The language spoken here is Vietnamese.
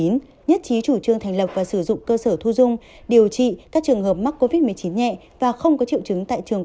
nhất trí chủ trương thành lập và sử dụng cơ sở thu dung điều trị các trường hợp mắc covid một mươi chín nhẹ và không có triệu chứng tại trường quân sự tỉnh cũ